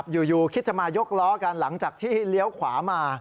อยู่คิดจะมายกล้อกันหลังจากที่เลี้ยวขวามา